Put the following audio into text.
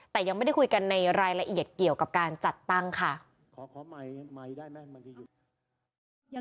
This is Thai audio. แต่ยังไม่ได้คุยกันในรายละเอียดเกี่ยวกับการจัดตั้งค่ะ